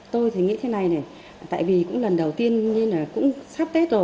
tôi thì nghĩ thế này này tại vì cũng lần đầu tiên nên là cũng sắp tết rồi